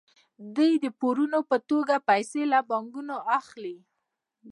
دوی د پورونو په توګه پیسې له بانکونو اخلي